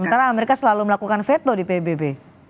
sementara amerika selalu melakukan veto di pbb